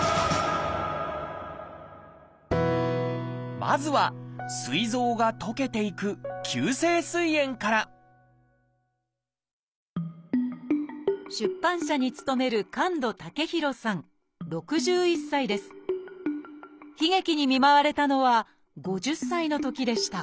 まずはすい臓が溶けていく出版社に勤める悲劇に見舞われたのは５０歳のときでした